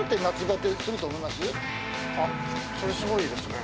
あっそれすごいですね